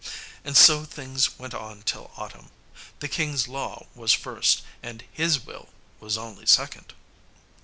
And so things went on till autumn. The king's law was first, and his will was only second.